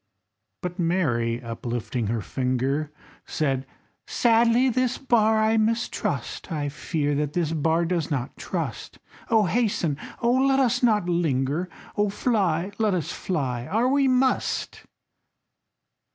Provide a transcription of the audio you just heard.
But Mary, uplifting her finger, Said: "Sadly this bar I mistrust, I fear that this bar does not trust. Oh, hasten! oh, let us not linger! Oh, fly, let us fly, are we must!"